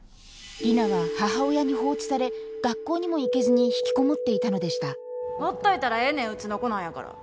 里奈は母親に放置され学校にも行けずに引きこもっていたのでしたほっといたらええねんうちの子なんやから。